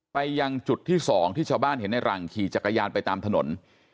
ไปยังจุดที่๒ที่ชาวบ้านเห็นในหลังขี่จักรยานไปตามถนน